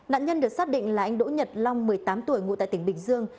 nạn nhân được xác định là anh đỗ nhật long một mươi tám tuổi ngụ tại tỉnh bình dương